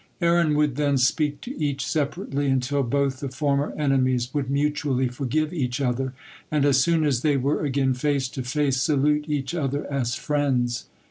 '" Aaron would then speak to each separately until both the former enemies would mutually forgive each other, and as soon as they were again face to face salute each other as friends.